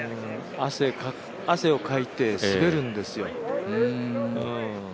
汗をかいて滑るんですよ。